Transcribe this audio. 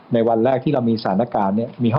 วันแรกที่เรามีสถานการณ์เนี่ย